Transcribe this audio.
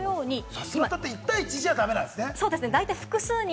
さすまたって１対１じゃ駄目なんですよね。